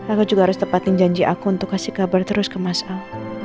aku juga harus tepatin janji aku untuk kasih kabar terus ke mas al